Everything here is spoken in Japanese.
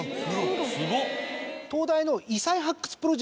すごっ。